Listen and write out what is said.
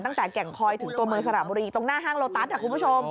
แก่งคอยถึงตัวเมืองสระบุรีตรงหน้าห้างโลตัสคุณผู้ชม